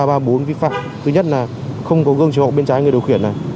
thứ nhất là không có gương chìa khóa bên trái người điều khiển này